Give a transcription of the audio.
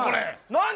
何？